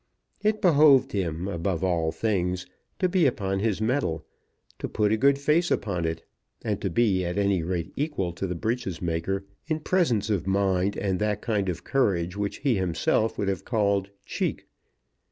It behoved him, above all things, to be upon his metal, to put a good face upon it, and to be at any rate equal to the breeches maker in presence of mind and that kind of courage which he himself would have called "cheek."